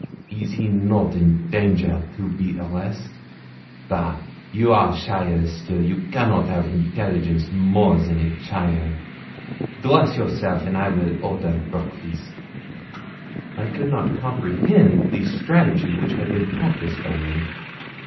Is he not in danger to be arrest? Bah! You are cheaile still; you cannot have intelligence more than a cheaile. Dress yourself, and I will order breakfast.' I could not comprehend the strategy which had been practised on me.